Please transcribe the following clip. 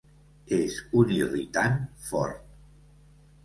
És un irritant fort.